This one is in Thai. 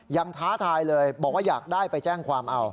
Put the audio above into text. ท้าทายเลยบอกว่าอยากได้ไปแจ้งความเอา